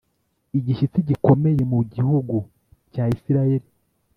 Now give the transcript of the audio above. igishyitsi gikomeye mu gihugu cya Isirayeli